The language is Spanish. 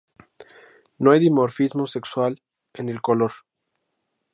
No hay dimorfismo sexual en el color.